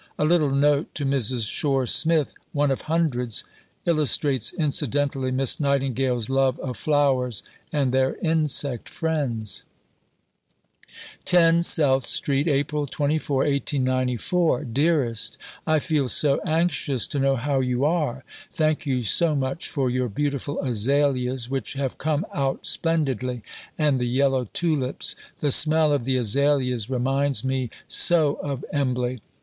A little note to Mrs. Shore Smith one of hundreds illustrates incidentally Miss Nightingale's love of flowers and their insect friends: 10 SOUTH STREET, April 24, 1894. Dearest, I feel so anxious to know how you are. Thank you so much for your beautiful Azaleas which have come out splendidly, and the yellow tulips. The smell of the Azaleas reminds me so of Embley.